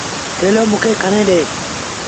ٿيلو موݩ کي کڻي ڏي۔